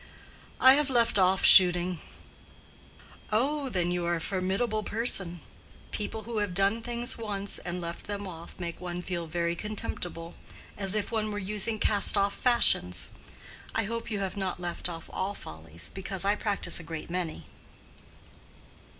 "I have left off shooting." "Oh, then, you are a formidable person. People who have done things once and left them off make one feel very contemptible, as if one were using cast off fashions. I hope you have not left off all follies, because I practice a great many."